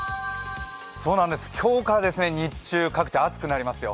今日から日中各地かなり暑くなりますよ。